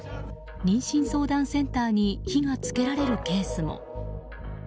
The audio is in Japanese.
妊娠相談センターに火が付けられるケースも。